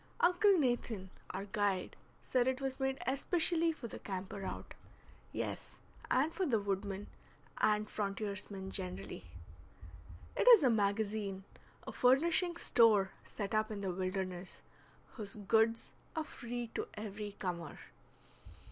Uncle Nathan, our guide, said it was made especially for the camper out; yes, and for the wood man and frontiersman generally. It is a magazine, a furnishing store set up in the wilderness, whose goods are free to every comer.